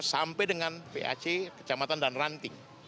sampai dengan pac kecamatan dan ranting